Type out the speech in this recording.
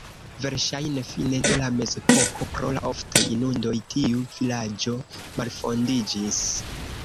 Verŝajne fine de la mezepoko pro la oftaj inundoj tiu vilaĝo malfondiĝis.